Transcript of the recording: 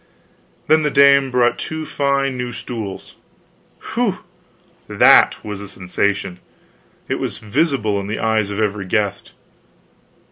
Then the dame brought two fine new stools whew! that was a sensation; it was visible in the eyes of every guest.